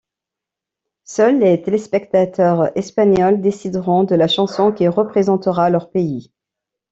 Seul les téléspectateurs espagnols décideront de la chanson qui représentera leur pays.